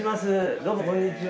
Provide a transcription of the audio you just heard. どうもこんにちは。